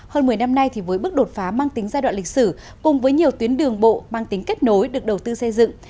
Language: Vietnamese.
hơn một mươi năm nay với bước đột phá mang tính giai đoạn lịch sử cùng với nhiều tuyến đường bộ mang tính kết nối được đầu tư xây dựng